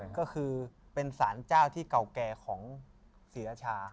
ก็คือเป็นสารเจ้าที่เก่าแก่ของศรีราชา